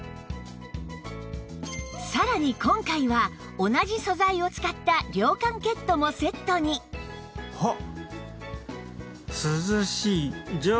さらに今回は同じ素材を使った涼感ケットもセットにはあっ！